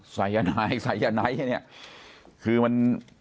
สายไยน้ายสายไยไง